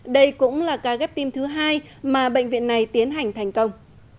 đây cũng là ca ghép tim thứ hai mà bệnh viện này tiến hành thành công